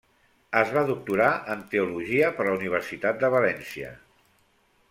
Es va doctorar en teologia per la Universitat de València.